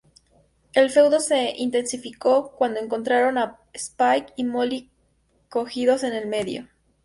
El feudo se intensificó cuando encontraron a Spike y Molly cogidos en el medio.